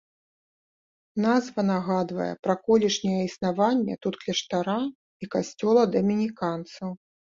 Назва нагадвае пра колішняе існаванне тут кляштара і касцёла дамініканцаў.